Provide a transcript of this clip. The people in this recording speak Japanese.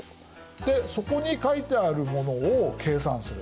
でそこに書いてあるものを計算する。